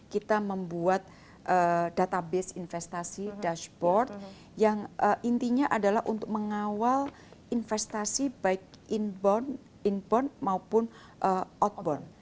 kita membuat database investasi dashboard yang intinya adalah untuk mengawal investasi baik inbon maupun outbound